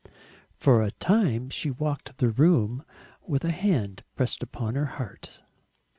For a time she walked the room with a hand pressed upon her heart.